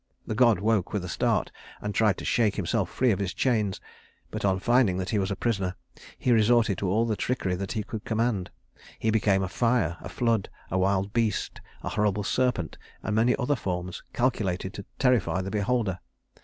The god woke with a start, and tried to shake himself free of his chains; but on finding that he was a prisoner, he resorted to all the trickery that he could command. He became a fire, a flood, a wild beast, a horrible serpent, and many other forms calculated to terrify the beholder.